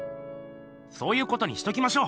そういうことにしときましょう！